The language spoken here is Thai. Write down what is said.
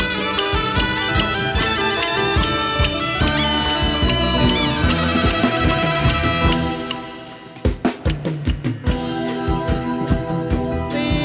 กลับไปที่นี่